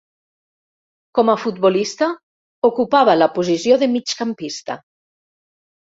Com a futbolista, ocupava la posició de migcampista.